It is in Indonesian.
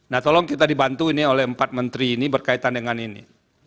nah tolong kita dibantu ini oleh empat menteri ini berkaitan dengan ini